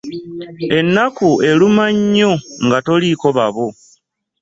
Ennaku eruma nnyo nga toliiko babo.